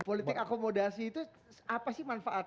politik akomodasi itu apa sih manfaatnya